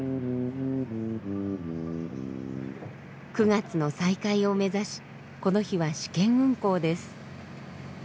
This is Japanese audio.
９月の再開を目指しこの日は試験運航です。